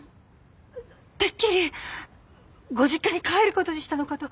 てっきりご実家に帰ることにしたのかと。